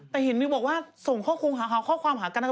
แมนแบ๊วใสหน่อยหน่อยหน่อยหน่อย